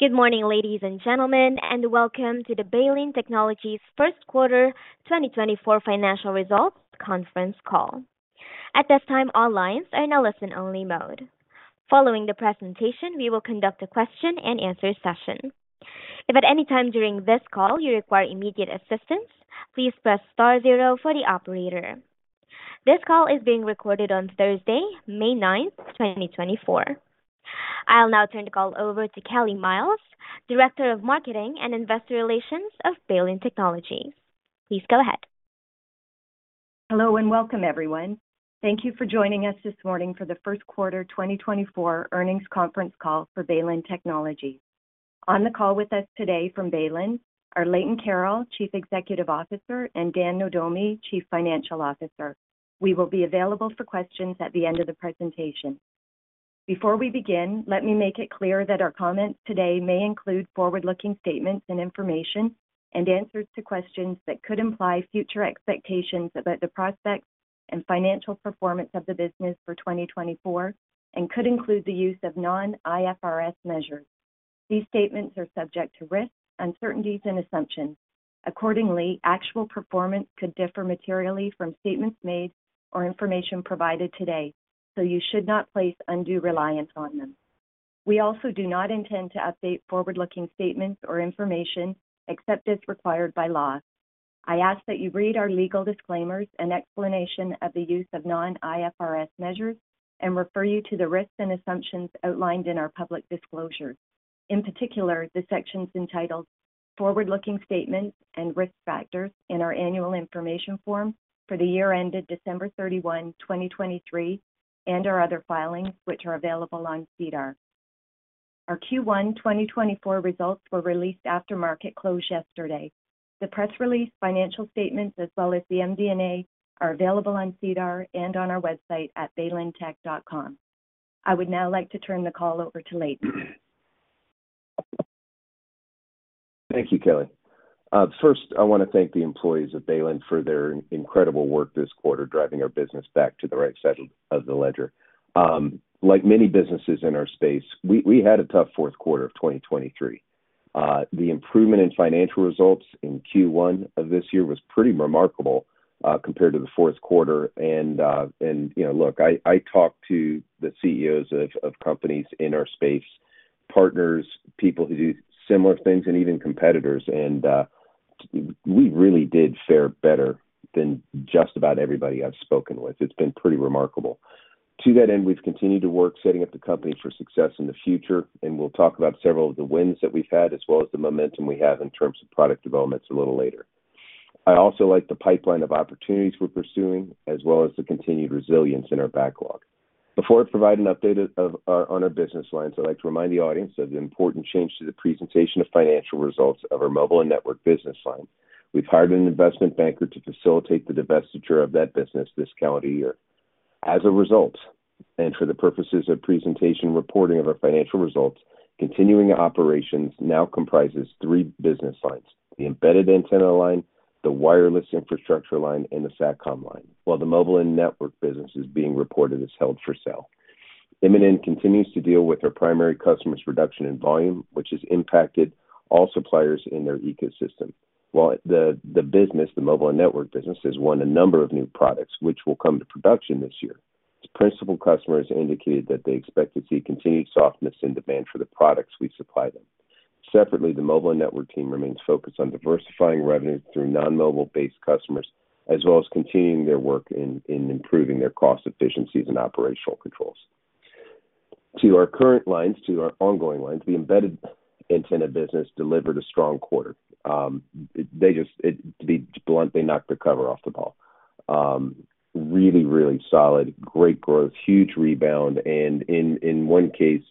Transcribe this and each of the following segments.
Good morning, ladies and gentlemen, and welcome to the Baylin Technologies' First Quarter 2024 Financial Results Conference Call. At this time, all lines are in a listen-only mode. Following the presentation, we will conduct a question-and-answer session. If at any time during this call you require immediate assistance, please press star zero for the operator. This call is being recorded on Thursday, May 9, 2024. I'll now turn the call over to Kelly Myles, Director of Marketing and Investor Relations of Baylin Technologies. Please go ahead. Hello and welcome, everyone. Thank you for joining us this morning for the First Quarter 2024 Earnings Conference Call for Baylin Technologies. On the call with us today from Baylin are Leighton Carroll, Chief Executive Officer, and Dan Nohdomi, Chief Financial Officer. We will be available for questions at the end of the presentation. Before we begin, let me make it clear that our comments today may include forward-looking statements and information, and answers to questions that could imply future expectations about the prospects and financial performance of the business for 2024, and could include the use of non-IFRS measures. These statements are subject to risk, uncertainties, and assumptions. Accordingly, actual performance could differ materially from statements made or information provided today, so you should not place undue reliance on them. We also do not intend to update forward-looking statements or information except as required by law. I ask that you read our legal disclaimers and explanation of the use of non-IFRS measures and refer you to the risks and assumptions outlined in our public disclosures. In particular, the sections entitled "Forward-Looking Statements" and "Risk Factors" in our annual information form for the year ended December 31, 2023, and our other filings, which are available on SEDAR. Our Q1 2024 results were released after market close yesterday. The press release financial statements as well as the MD&A are available on SEDAR and on our website at baylintech.com. I would now like to turn the call over to Leighton. Thank you, Kelly. First, I want to thank the employees at Baylin for their incredible work this quarter, driving our business back to the right side of the ledger. Like many businesses in our space, we had a tough fourth quarter of 2023. The improvement in financial results in Q1 of this year was pretty remarkable compared to the fourth quarter. And look, I talked to the CEOs of companies in our space, partners, people who do similar things, and even competitors, and we really did fare better than just about everybody I've spoken with. It's been pretty remarkable. To that end, we've continued to work setting up the company for success in the future, and we'll talk about several of the wins that we've had as well as the momentum we have in terms of product developments a little later. I also like the pipeline of opportunities we're pursuing as well as the continued resilience in our backlog. Before I provide an update on our business lines, I'd like to remind the audience of the important change to the presentation of financial results of our mobile and network business line. We've hired an investment banker to facilitate the divestiture of that business this calendar year. As a result, and for the purposes of presentation reporting of our financial results, continuing operations now comprises three business lines: the embedded antenna line, the wireless infrastructure line, and the Satcom line, while the mobile and network business is being reported as held for sale. M&N continues to deal with their primary customers' reduction in volume, which has impacted all suppliers in their ecosystem. While the business, the mobile and network business, has won a number of new products, which will come to production this year, its principal customers indicated that they expect to see continued softness in demand for the products we supply them. Separately, the mobile and network team remains focused on diversifying revenue through non-mobile-based customers as well as continuing their work in improving their cost efficiencies and operational controls. To our current lines, to our ongoing lines, the embedded antenna business delivered a strong quarter. To be blunt, they knocked the cover off the ball. Really, really solid, great growth, huge rebound, and in one case,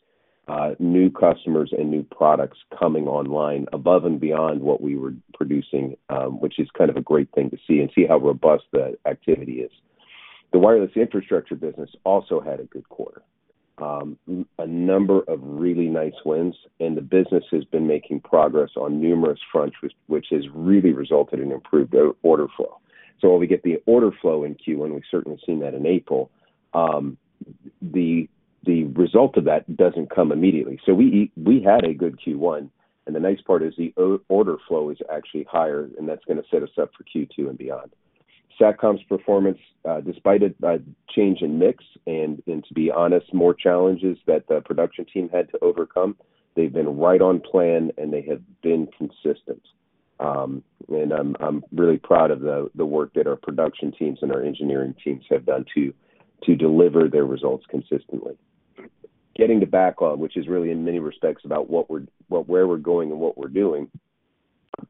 new customers and new products coming online above and beyond what we were producing, which is kind of a great thing to see and see how robust that activity is. The wireless infrastructure business also had a good quarter, a number of really nice wins, and the business has been making progress on numerous fronts, which has really resulted in improved order flow. So while we get the order flow in Q1, we've certainly seen that in April, the result of that doesn't come immediately. So we had a good Q1, and the nice part is the order flow is actually higher, and that's going to set us up for Q2 and beyond. Satcom's performance, despite a change in mix and, to be honest, more challenges that the production team had to overcome, they've been right on plan, and they have been consistent. And I'm really proud of the work that our production teams and our engineering teams have done to deliver their results consistently. Getting to backlog, which is really, in many respects, about where we're going and what we're doing,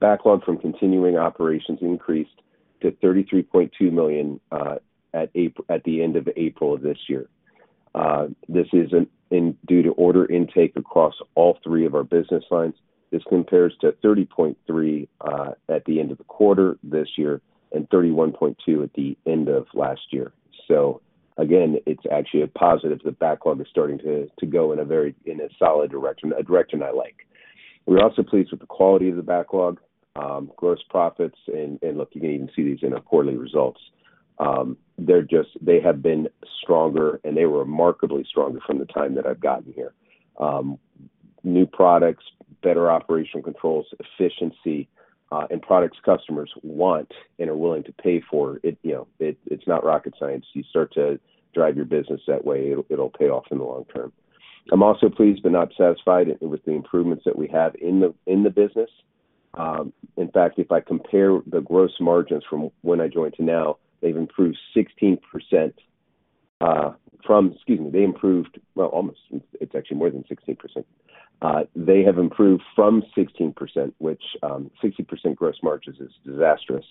backlog from continuing operations increased to 33.2 million at the end of April of this year. This is due to order intake across all three of our business lines. This compares to 30.3 million at the end of the quarter this year and 31.2 million at the end of last year. So again, it's actually a positive that backlog is starting to go in a solid direction, a direction I like. We're also pleased with the quality of the backlog, gross profits, and look, you can even see these in our quarterly results. They have been stronger, and they were remarkably stronger from the time that I've gotten here. New products, better operational controls, efficiency, and products customers want and are willing to pay for, it's not rocket science. You start to drive your business that way, it'll pay off in the long term. I'm also pleased but not satisfied with the improvements that we have in the business. In fact, if I compare the gross margins from when I joined to now, they've improved 16%. It's actually more than 16%. They have improved from 16%, which 60% gross margins is disastrous,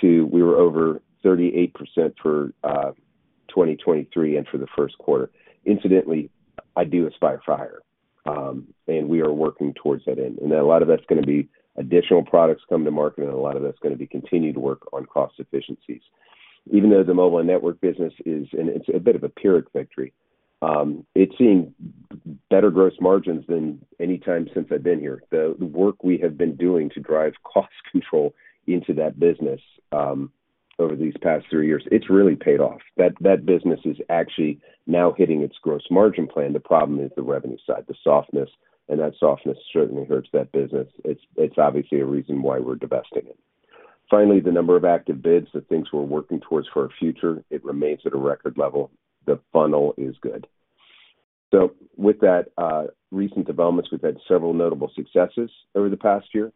to we were over 38% for 2023 and for the first quarter. Incidentally, I do aspire for higher, and we are working towards that end. A lot of that's going to be additional products come to market, and a lot of that's going to be continued work on cost efficiencies. Even though the Mobile and Network business is and it's a bit of a Pyrrhic victory, it's seeing better gross margins than anytime since I've been here. The work we have been doing to drive cost control into that business over these past three years, it's really paid off. That business is actually now hitting its gross margin plan. The problem is the revenue side, the softness, and that softness certainly hurts that business. It's obviously a reason why we're divesting it. Finally, the number of active bids, the things we're working towards for our future, it remains at a record level. The funnel is good. So with that recent developments, we've had several notable successes over the past year.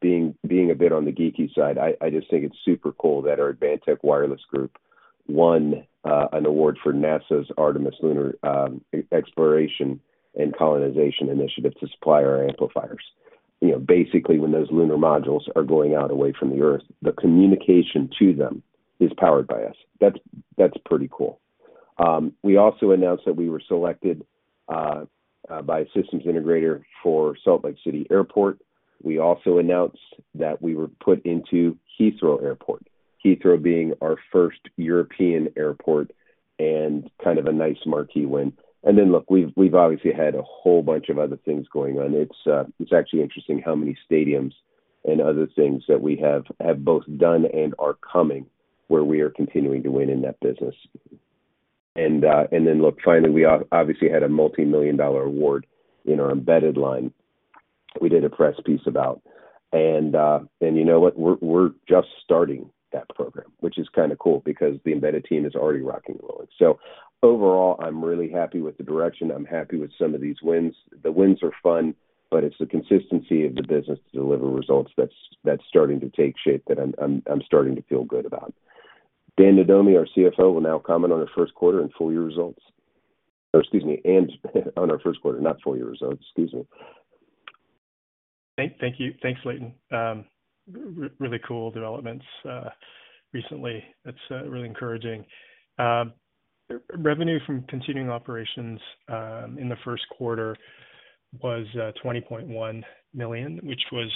Being a bit on the geeky side, I just think it's super cool that our Advantech Wireless Group won an award for NASA's Artemis Lunar Exploration and Colonization Initiative to supply our amplifiers. Basically, when those lunar modules are going out away from the Earth, the communication to them is powered by us. That's pretty cool. We also announced that we were selected by a systems integrator for Salt Lake City Airport. We also announced that we were put into Heathrow Airport, Heathrow being our first European airport and kind of a nice marquee win. And then look, we've obviously had a whole bunch of other things going on. It's actually interesting how many stadiums and other things that we have both done and are coming where we are continuing to win in that business. And then look, finally, we obviously had a multimillion-dollar award in our embedded line we did a press piece about. And you know what? We're just starting that program, which is kind of cool because the embedded team is already rocking and rolling. So overall, I'm really happy with the direction. I'm happy with some of these wins. The wins are fun, but it's the consistency of the business to deliver results that's starting to take shape that I'm starting to feel good about. Dan Nohdomi, our CFO, will now comment on our first quarter and full year results or excuse me, and on our first quarter, not full year results. Excuse me. Thank you. Thanks, Leighton. Really cool developments recently. That's really encouraging. Revenue from continuing operations in the first quarter was 20.1 million, which was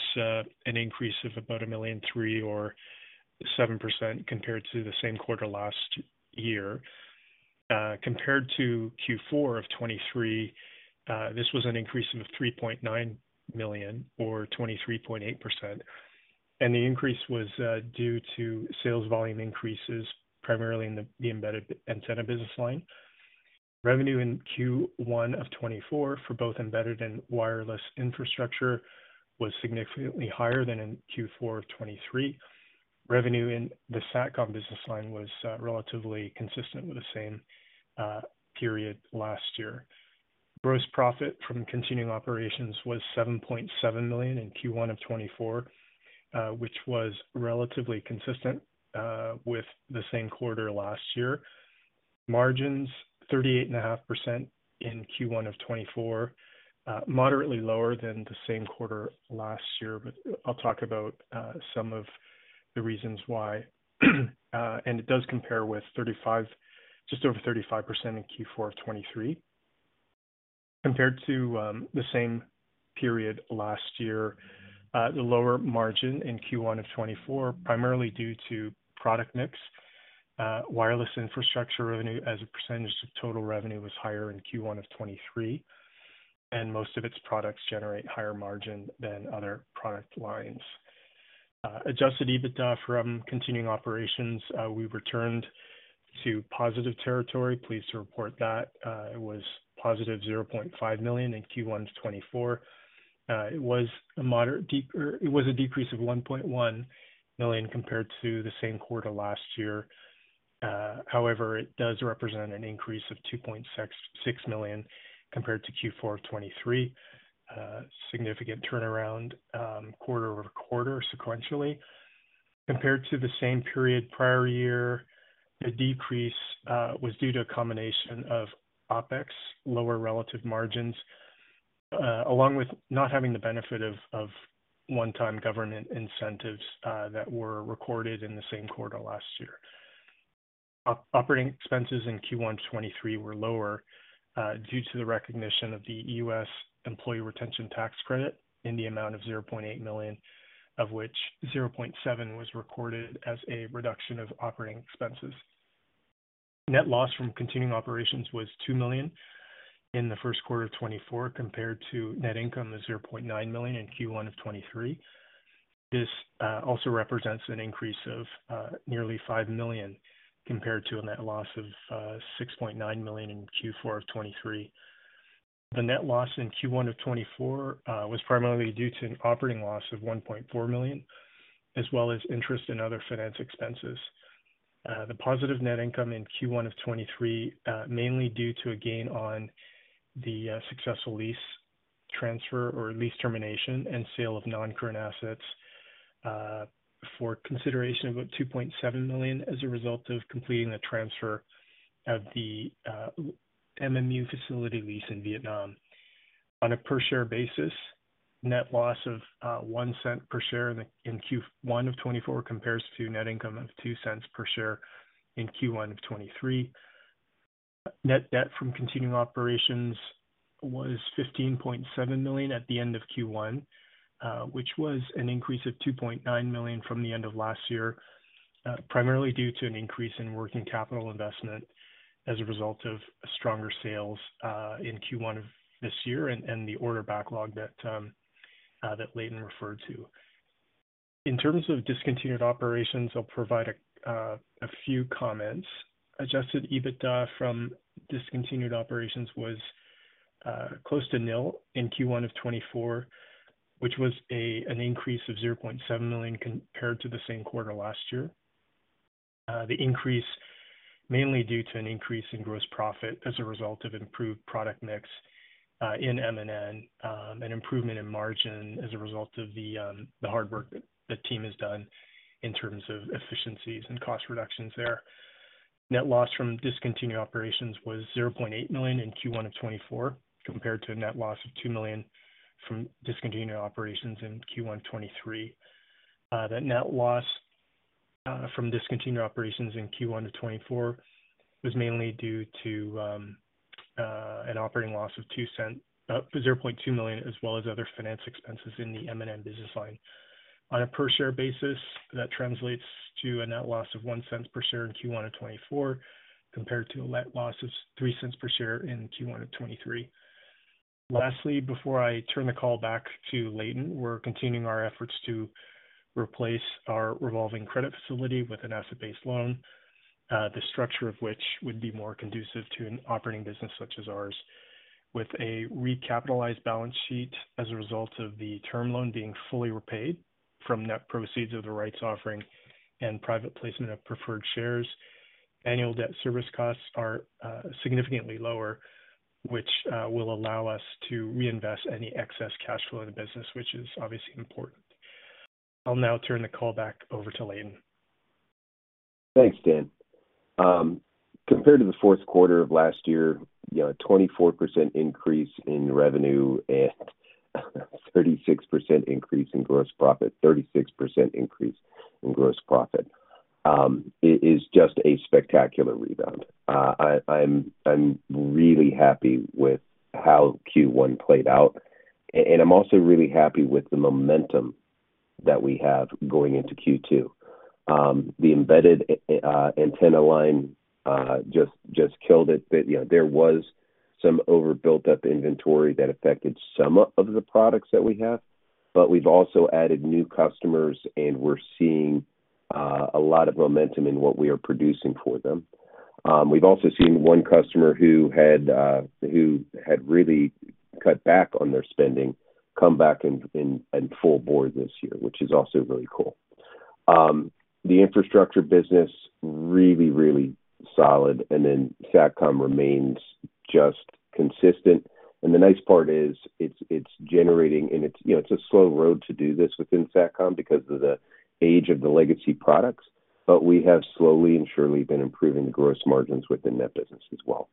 an increase of about 1.3 million or 7% compared to the same quarter last year. Compared to Q4 of 2023, this was an increase of 3.9 million or 23.8%. The increase was due to sales volume increases, primarily in the embedded antenna business line. Revenue in Q1 of 2024 for both embedded and wireless infrastructure was significantly higher than in Q4 of 2023. Revenue in the Satcom business line was relatively consistent with the same period last year. Gross profit from continuing operations was 7.7 million in Q1 of 2024, which was relatively consistent with the same quarter last year. Margins, 38.5% in Q1 of 2024, moderately lower than the same quarter last year, but I'll talk about some of the reasons why. It does compare with just over 35% in Q4 of 2023. Compared to the same period last year, the lower margin in Q1 of 2024, primarily due to product mix, wireless infrastructure revenue as a percentage of total revenue was higher in Q1 of 2023, and most of its products generate higher margin than other product lines. Adjusted EBITDA from continuing operations, we returned to positive territory. Please report that. It was positive 0.5 million in Q1 of 2024. It was a decrease of 1.1 million compared to the same quarter last year. However, it does represent an increase of 2.6 million compared to Q4 of 2023, significant turnaround quarter-over-quarter sequentially. Compared to the same period prior year, the decrease was due to a combination of OpEx, lower relative margins, along with not having the benefit of one-time government incentives that were recorded in the same quarter last year. Operating expenses in Q1 of 2023 were lower due to the recognition of the U.S. Employee Retention Tax Credit in the amount of 0.8 million, of which 0.7 million was recorded as a reduction of operating expenses. Net loss from continuing operations was 2 million in the first quarter of 2024 compared to net income of 0.9 million in Q1 of 2023. This also represents an increase of nearly 5 million compared to a net loss of 6.9 million in Q4 of 2023. The net loss in Q1 of 2024 was primarily due to an operating loss of 1.4 million as well as interest and other finance expenses. The positive net income in Q1 of 2023, mainly due to a gain on the successful lease transfer or lease termination and sale of non-current assets for consideration of about 2.7 million as a result of completing the transfer of the MMU facility lease in Vietnam. On a per-share basis, net loss of 0.01 per share in Q1 of 2024 compares to net income of 0.02 per share in Q1 of 2023. Net debt from continuing operations was 15.7 million at the end of Q1, which was an increase of 2.9 million from the end of last year, primarily due to an increase in working capital investment as a result of stronger sales in Q1 of this year and the order backlog that Leighton referred to. In terms of discontinued operations, I'll provide a few comments. Adjusted EBITDA from discontinued operations was close to nil in Q1 of 2024, which was an increase of 0.7 million compared to the same quarter last year. The increase mainly due to an increase in gross profit as a result of improved product mix in M&N and improvement in margin as a result of the hard work that the team has done in terms of efficiencies and cost reductions there. Net loss from discontinued operations was 0.8 million in Q1 of 2024 compared to a net loss of 2 million from discontinued operations in Q1 of 2023. That net loss from discontinued operations in Q1 of 2024 was mainly due to an operating loss of 0.2 million as well as other finance expenses in the M&N business line. On a per-share basis, that translates to a net loss of 0.01 per share in Q1 of 2024 compared to a net loss of 0.03 per share in Q1 of 2023. Lastly, before I turn the call back to Leighton, we're continuing our efforts to replace our revolving credit facility with an asset-based loan, the structure of which would be more conducive to an operating business such as ours, with a recapitalized balance sheet as a result of the term loan being fully repaid from net proceeds of the rights offering and private placement of preferred shares. Annual debt service costs are significantly lower, which will allow us to reinvest any excess cash flow in the business, which is obviously important. I'll now turn the call back over to Leighton. Thanks, Dan. Compared to the fourth quarter of last year, a 24% increase in revenue and 36% increase in gross profit, 36% increase in gross profit, it is just a spectacular rebound. I'm really happy with how Q1 played out, and I'm also really happy with the momentum that we have going into Q2. The embedded antenna line just killed it. There was some overbuilt-up inventory that affected some of the products that we have, but we've also added new customers, and we're seeing a lot of momentum in what we are producing for them. We've also seen one customer who had really cut back on their spending come back and full bore this year, which is also really cool. The infrastructure business, really, really solid, and then Satcom remains just consistent. And the nice part is it's generating, and it's a slow road to do this within Satcom because of the age of the legacy products, but we have slowly and surely been improving the gross margins within that business as well.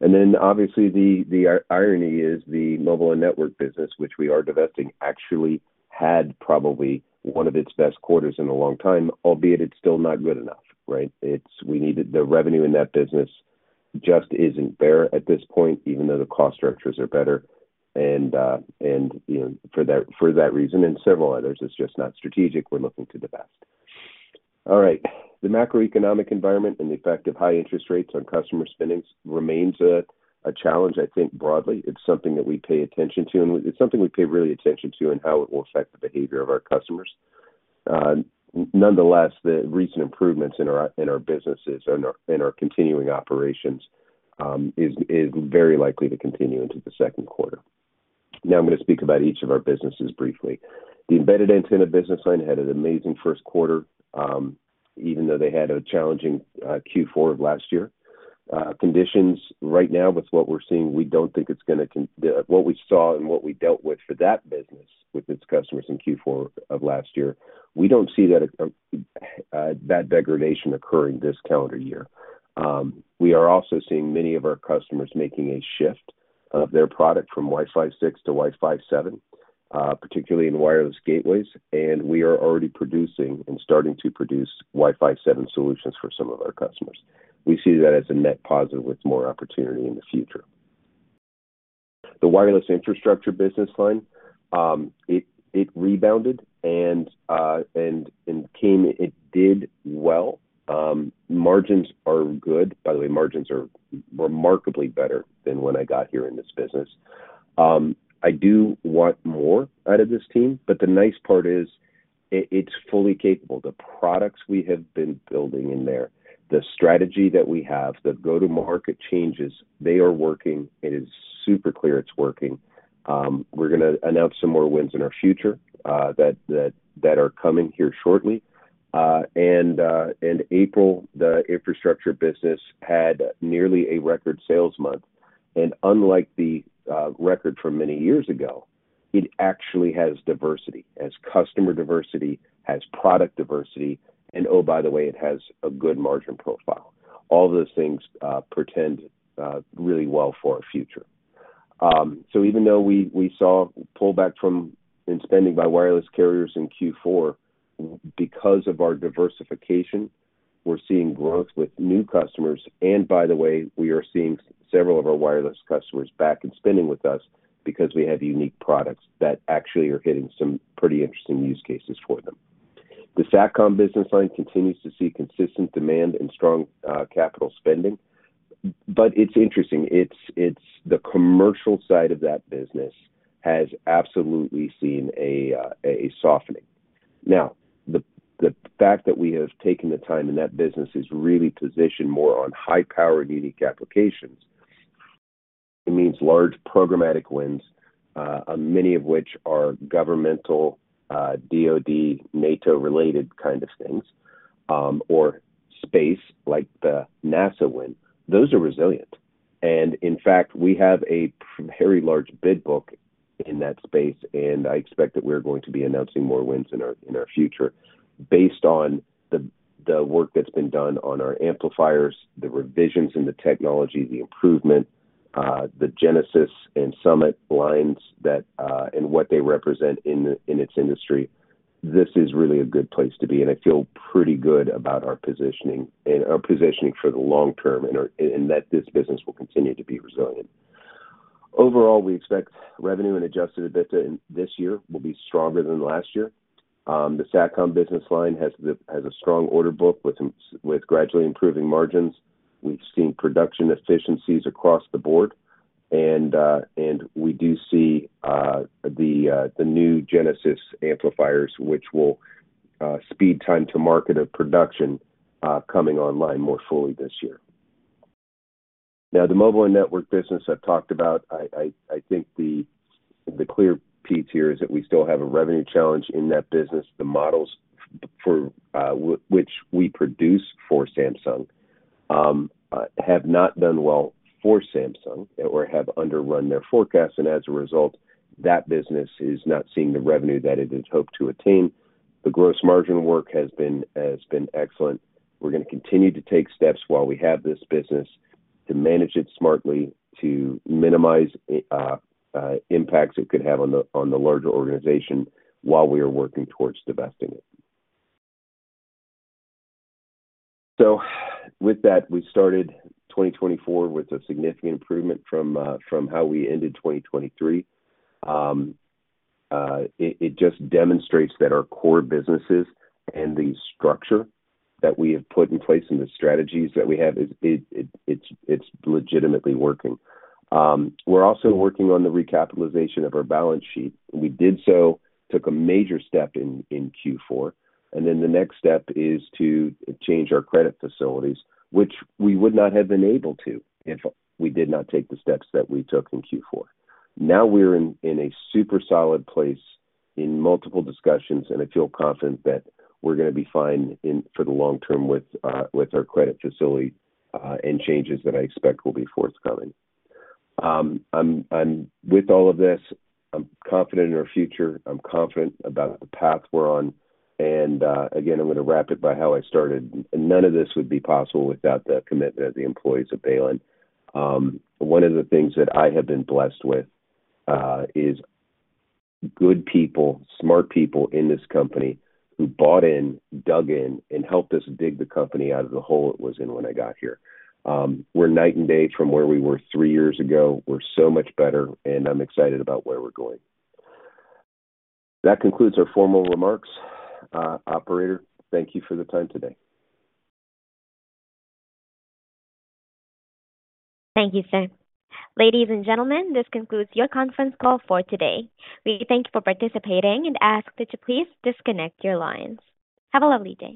And then obviously, the irony is the Mobile and Network business, which we are divesting, actually had probably one of its best quarters in a long time, albeit it's still not good enough, right? The revenue in that business just isn't there at this point, even though the cost structures are better. And for that reason and several others, it's just not strategic. We're looking to divest. All right. The macroeconomic environment and the effect of high interest rates on customer spending remains a challenge, I think, broadly. It's something that we pay attention to, and it's something we pay really attention to in how it will affect the behavior of our customers. Nonetheless, the recent improvements in our businesses and our continuing operations is very likely to continue into the second quarter. Now I'm going to speak about each of our businesses briefly. The Embedded Antenna business line had an amazing first quarter, even though they had a challenging Q4 of last year. Conditions right now, with what we're seeing, we don't think it's going to what we saw and what we dealt with for that business with its customers in Q4 of last year. We don't see that bad degradation occurring this calendar year. We are also seeing many of our customers making a shift of their product from Wi-Fi 6 to Wi-Fi 7, particularly in wireless gateways, and we are already producing and starting to produce Wi-Fi 7 solutions for some of our customers. We see that as a net positive with more opportunity in the future. The wireless infrastructure business line. It rebounded and did well. Margins are good. By the way, margins are remarkably better than when I got here in this business. I do want more out of this team, but the nice part is it's fully capable. The products we have been building in there, the strategy that we have, the go-to-market changes, they are working. It is super clear it's working. We're going to announce some more wins in our future that are coming here shortly. April, the infrastructure business had nearly a record sales month. And unlike the record from many years ago, it actually has diversity, has customer diversity, has product diversity, and oh, by the way, it has a good margin profile. All those things portend really well for our future. So even though we saw pullback in spending by wireless carriers in Q4, because of our diversification, we're seeing growth with new customers. And by the way, we are seeing several of our wireless customers back in spending with us because we have unique products that actually are hitting some pretty interesting use cases for them. The Satcom business line continues to see consistent demand and strong capital spending, but it's interesting. The commercial side of that business has absolutely seen a softening. Now, the fact that we have taken the time in that business is really positioned more on high-powered unique applications. It means large programmatic wins, many of which are governmental, DoD, NATO-related kind of things, or space like the NASA win. Those are resilient. And in fact, we have a very large bid book in that space, and I expect that we're going to be announcing more wins in our future based on the work that's been done on our amplifiers, the revisions in the technology, the improvement, the Genesis and Summit lines, and what they represent in its industry. This is really a good place to be, and I feel pretty good about our positioning for the long term and that this business will continue to be resilient. Overall, we expect revenue and Adjusted EBITDA this year will be stronger than last year. The Satcom business line has a strong order book with gradually improving margins. We've seen production efficiencies across the board, and we do see the new Genesis amplifiers, which will speed time-to-market of production coming online more fully this year. Now, the Mobile and Network business I've talked about, I think the clear piece here is that we still have a revenue challenge in that business. The models which we produce for Samsung have not done well for Samsung or have underrun their forecasts, and as a result, that business is not seeing the revenue that it had hoped to attain. The gross margin work has been excellent. We're going to continue to take steps while we have this business to manage it smartly, to minimize impacts it could have on the larger organization while we are working towards divesting it. So with that, we started 2024 with a significant improvement from how we ended 2023. It just demonstrates that our core businesses and the structure that we have put in place and the strategies that we have, it's legitimately working. We're also working on the recapitalization of our balance sheet. We did so, took a major step in Q4, and then the next step is to change our credit facilities, which we would not have been able to if we did not take the steps that we took in Q4. Now we're in a super solid place in multiple discussions, and I feel confident that we're going to be fine for the long term with our credit facility and changes that I expect will be forthcoming. I'm with all of this. I'm confident in our future. I'm confident about the path we're on. And again, I'm going to wrap it by how I started. None of this would be possible without the commitment of the employees at Baylin. One of the things that I have been blessed with is good people, smart people in this company who bought in, dug in, and helped us dig the company out of the hole it was in when I got here. We're night and day from where we were three years ago. We're so much better, and I'm excited about where we're going. That concludes our formal remarks. Operator, thank you for the time today. Thank you, sir. Ladies and gentlemen, this concludes your conference call for today. We thank you for participating and ask that you please disconnect your lines. Have a lovely day.